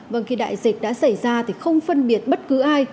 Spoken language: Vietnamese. vâng khi đại dịch đã xảy ra thì không phân biệt bất cứ ai